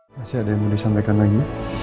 masih ada yang mau disampaikan lagi